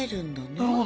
なるほど。